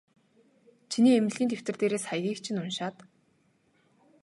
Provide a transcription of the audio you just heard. Чиний эмнэлгийн дэвтэр дээрээс хаягийг чинь уншаад.